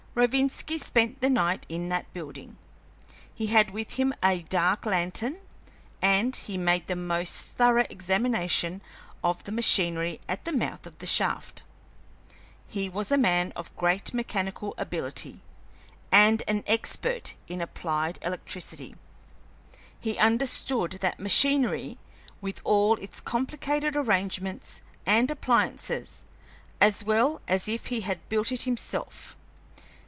Rovinski spent the night in that building. He had with him a dark lantern, and he made the most thorough examination of the machinery at the mouth of the shaft. He was a man of great mechanical ability and an expert in applied electricity. He understood that machinery, with all its complicated arrangements and appliances, as well as if he had built it himself.